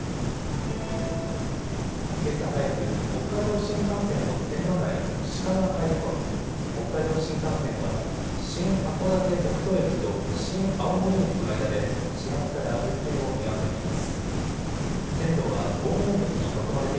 けさ早く北海道新幹線の線路内にシカが入り込み北海道新幹線は新函館北斗駅と森青森駅の間で始発から運転を見合わせています。